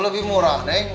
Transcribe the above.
lebih murah neng